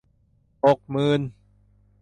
หกหมื่น